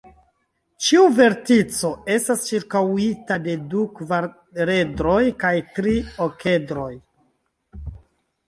Ĉiu vertico estas ĉirkaŭita de du kvaredroj kaj tri okedroj.